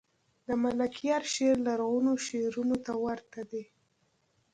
دملکیار شعر لرغونو شعرونو ته ورته دﺉ.